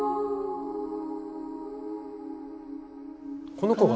この子が。